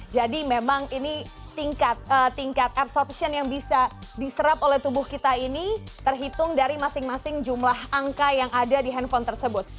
jadi memang ini tingkat absorption yang bisa diserap oleh tubuh kita ini terhitung dari masing masing jumlah angka yang ada di handphone tersebut